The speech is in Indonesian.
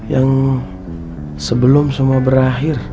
yang sebelum semua berakhir